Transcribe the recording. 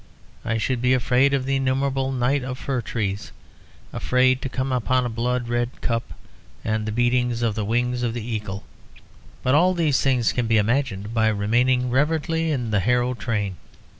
I should be afraid of the innumerable night of fir trees, afraid to come upon a blood red cup and the beating of the wings of the Eagle. But all these things can be imagined by remaining reverently in the Harrow train."